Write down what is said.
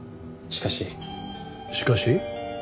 「しかし」？